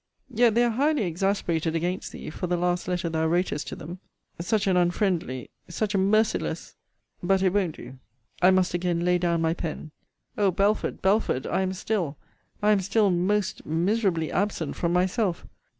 Yet they are highly exasperated against thee, for the last letter thou wrotest to them* such an unfriendly, such a merciless * This Letter appears not. But it won't do! I must again lay down my pen. O Belford! Belford! I am still, I am still most miserably absent from myself!